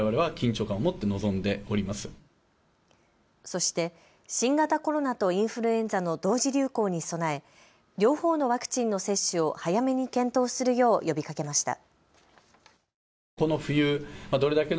そして新型コロナとインフルエンザの同時流行に備え両方のワクチンの接種を早めに検討するよう呼びかけました。